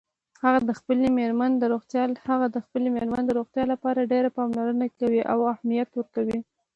هغه د خپلې میرمن د روغتیا لپاره ډېره پاملرنه کوي او اهمیت ورکوي